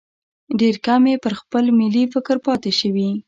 ډېر کم یې پر خپل ملي فکر پاتې شوي.